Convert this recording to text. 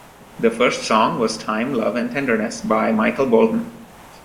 The first song was "Time, Love and Tenderness" by Michael Bolton.